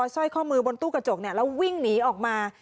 สร้อยข้อมือบนตู้กระจกแล้ววิ่งหนีออกมา